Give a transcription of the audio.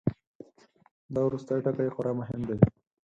دا وروستی ټکی خورا مهم دی.